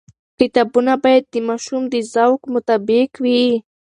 کتابونه باید د ماشوم د ذوق مطابق وي.